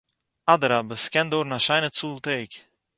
אדרבא, עס קען דויערן אַ שיינע צאָל טעג